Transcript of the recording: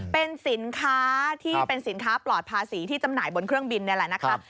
เป็นสินค้าที่เป็นสินค้าปลอดภาษีที่จำหน่ายบนเครื่องบินนี่แหละนะคะ